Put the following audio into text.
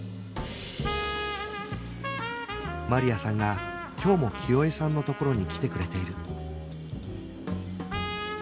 マリアさんが今日も清江さんのところに来てくれている